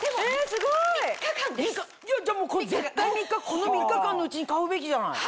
すごい！じゃあ絶対この３日間のうちに買うべきじゃない！